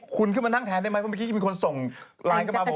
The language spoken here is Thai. คุณขึ้นมานั่งแทนได้ไหมเพราะเมื่อกี้จะมีคนส่งไลน์เข้ามาบอก